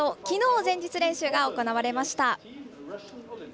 きのう前日練習が行われました。